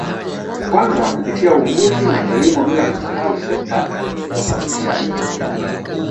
Kwanza kupitia uvuvi na kilimo bila kusahau sekta ya usafirishaji